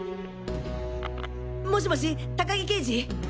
もしもし高木刑事？